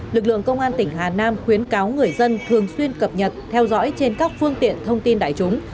lực lượng công an tỉnh hà nam khuyến cáo người dân thường xuyên cập nhật theo dõi trên các phương tiện thông tin đại chúng